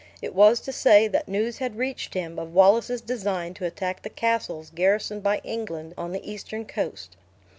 It was to say, that news had reached him of Wallace's design to attack the castles garrisoned by England, on the eastern coast.